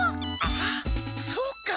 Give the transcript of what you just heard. あそうか。